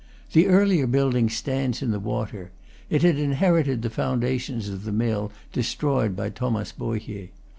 The earlier building stands in the water; it had inherited the foundations of the mill destroyed by Thomas Bohier.